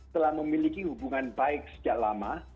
telah memiliki hubungan baik sejak lama